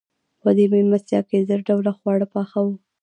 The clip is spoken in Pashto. په دې مېلمستیا کې زر ډوله خواړه پاخه وو.